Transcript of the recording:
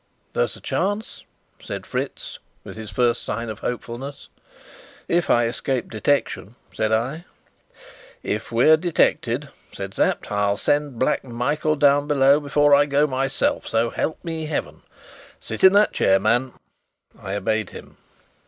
"There's a chance," said Fritz, with his first sign of hopefulness. "If I escape detection," said I. "If we're detected," said Sapt. "I'll send Black Michael down below before I go myself, so help me heaven! Sit in that chair, man." I obeyed him.